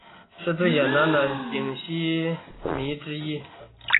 是最简单的烯醇醚之一。